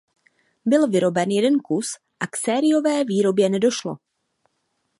Byl vyroben jeden kus a k sériové výrobě nedošlo.